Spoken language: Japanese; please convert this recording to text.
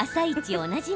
おなじみ